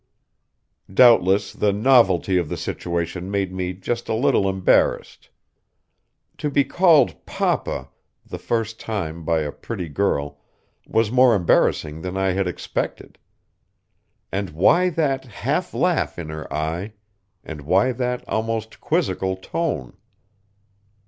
Doubtless the novelty of the situation made me just a little embarrassed. To be called "papa" the first time by a pretty girl was more embarrassing than I had expected. And why that half laugh in her eye, and why that almost quizzical tone?